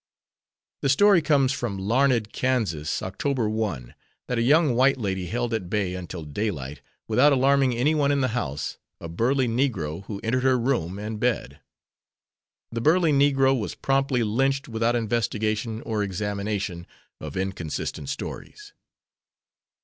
The story comes from Larned, Kansas, Oct. 1, that a young white lady held at bay until daylight, without alarming any one in the house, "a burly Negro" who entered her room and bed. The "burly Negro" was promptly lynched without investigation or examination of inconsistant stories.